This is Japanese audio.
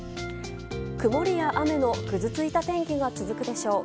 曇りや雨のぐずついた天気が続くでしょう。